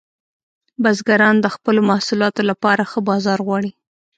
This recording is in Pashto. بزګران د خپلو محصولاتو لپاره ښه بازار غواړي.